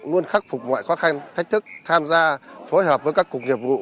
luôn khắc phục mọi khó khăn thách thức tham gia phối hợp với các cục nghiệp vụ